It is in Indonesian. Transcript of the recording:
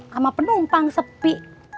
sama penumpang sepi